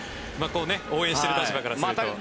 応援している立場からするとね。